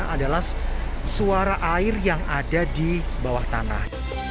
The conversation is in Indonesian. adalah suara air yang ada di bawah tanah